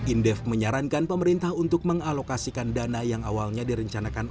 indef menyarankan pemerintah untuk mengalokasikan dana yang awalnya direncanakan